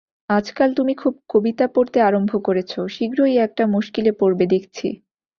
আজকাল তুমি খুব কবিতা পড়তে আরম্ভ করেছ, শীঘ্রই একটা মুশকিলে পড়বে দেখছি!